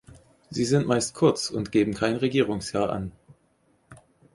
Sie sind meist kurz und geben kein Regierungsjahr an.